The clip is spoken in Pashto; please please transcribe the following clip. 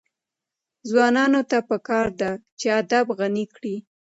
ځوانانو ته پکار ده چې، ادب غني کړي.